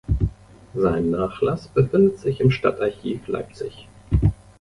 Sein Nachlass befindet sich im Stadtarchiv Leipzig.